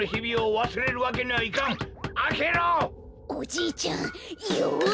おじいちゃんよし！